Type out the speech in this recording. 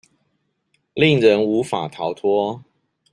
令人無法逃脫